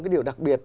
cái điều đặc biệt